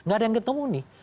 gak ada yang ketemu nih